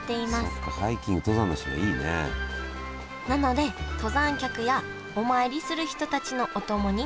なので登山客やお参りする人たちのお供に人気なんです。